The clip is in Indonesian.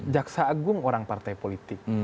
jaksa agung orang partai politik